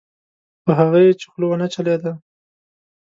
په هغه یې چې خوله ونه چلېده.